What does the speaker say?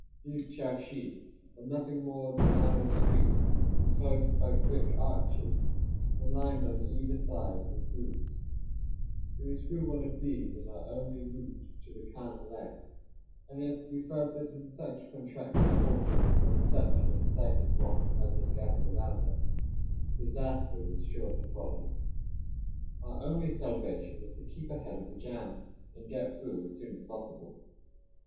These charshi are nothing more than narrow streets, inclosed by brick arches, and lined on either side with booths. It was through one of these that our only route to the khan lay — and yet we felt that in such contracted quarters, and in such an excited mob as had gathered around us, disaster was sure to 25 HOUSE OF THE AMERICAN CONSUL IN SIVAS. 26 Across Asia on a Bicycle follow. Our only salvation was to keep ahead of the jam, and get through as soon as possible.